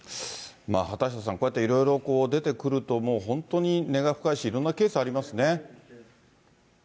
畑下さん、こうやっていろいろ出てくるともう、本当に根が深いし、いろんなケースありますね。